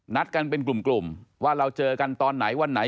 นัดกันเป็นกลุ่มว่าเราเจอกันตอนไหนวันไหน